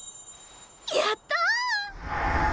やった！